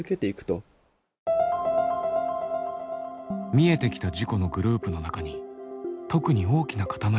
見えてきた事故のグループの中に特に大きな塊がありました。